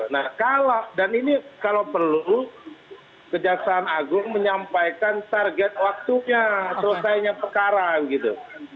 nah kalau dan ini kalau perlu kejaksaan agung menyampaikan target waktunya selesainya perkara gitu